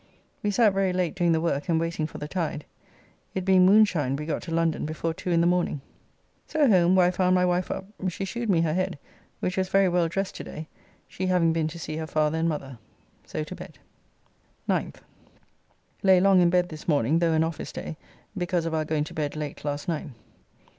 We sat very late doing the work and waiting for the tide, it being moonshine we got to London before two in the morning. So home, where I found my wife up, she shewed me her head which was very well dressed to day, she having been to see her father and mother. So to bed. 9th. Lay long in bed this morning though an office day, because of our going to bed late last night.